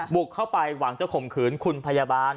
บุกเข้าไปหวังจะข่มขืนคุณพยาบาล